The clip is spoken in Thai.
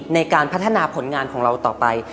ในการพัฒนาผลงานของเราต่อไป